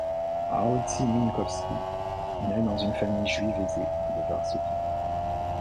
Maurycy Minkowski nait dans une famille juive aisée de Varsovie.